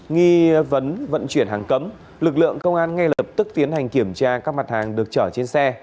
nghi vấn vận chuyển hàng cấm lực lượng công an ngay lập tức tiến hành kiểm tra các mặt hàng được trở trên xe